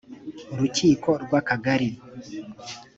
urukiko rw akagari